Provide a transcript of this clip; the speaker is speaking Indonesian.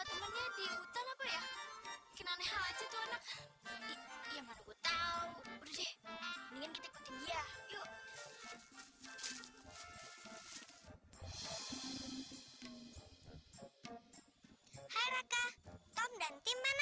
kami menunjukkan perhitungan